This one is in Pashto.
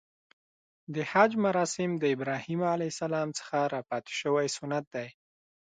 د حج مراسم د ابراهیم ع څخه راپاتې شوی سنت دی .